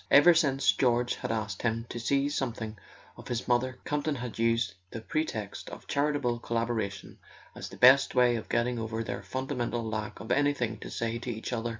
Ever since George had asked him to see something of his mother Campton had used the pretext of charitable collabora¬ tion as the best way of getting over their fundamental lack of anything to say to each other.